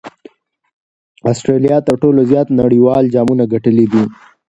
اسټراليا تر ټولو زیات نړۍوال جامونه ګټلي دي.